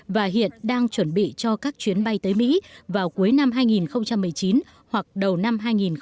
và hiện đang chuẩn bị cho các chuyến bay tới mỹ vào cuối năm hai nghìn một mươi chín hoặc đầu năm hai nghìn hai mươi